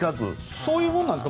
そういうものなんですか？